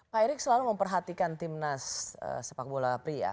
pak erick selalu memperhatikan timnas sepak bola pria